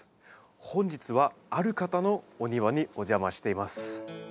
本日はある方のお庭にお邪魔しています。